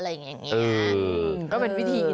เออก็เป็นวิธีนะคะ